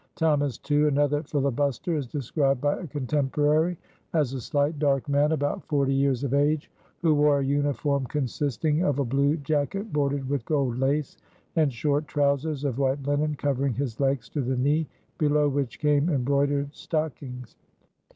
Thomas Tew, another "filibustier," is described by a contemporary as a slight, dark man about forty years of age, who wore a uniform consisting of a blue jacket bordered with gold lace and short trousers of white linen covering his legs to the knee, below which came embroidered stockings.